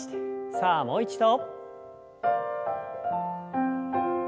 さあもう一度。